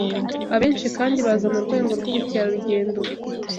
Abenshi kandi baza mu rwego rw’ubukerarugendo